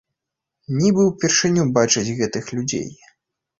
Нібы ўпершыню бачыць гэтых людзей.